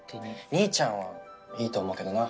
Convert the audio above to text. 兄ちゃんはいいと思うけどな。